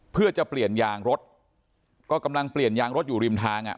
เพื่อจะเปลี่ยนยางรถก็กำลังเปลี่ยนยางรถอยู่ริมทางอ่ะ